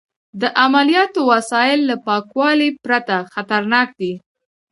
د عملیاتو وسایل له پاکوالي پرته خطرناک دي.